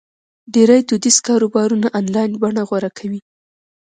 ډېری دودیز کاروبارونه آنلاین بڼه غوره کوي.